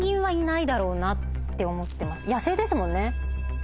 野生ですもんね。